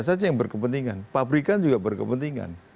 saja yang berkepentingan pabrikan juga berkepentingan